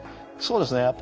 そうですね。